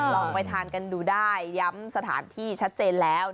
ลองไปทานกันดูได้ย้ำสถานที่ชัดเจนแล้ว